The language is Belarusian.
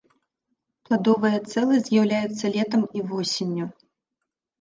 Пладовыя целы з'яўляюцца летам і восенню.